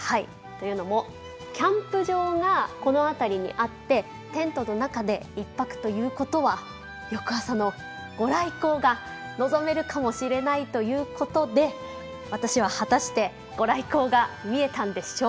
というのもキャンプ場がこの辺りにあってテントの中で１泊ということは翌朝のご来光が望めるかもしれないということで私は果たしてご来光が見えたんでしょうか。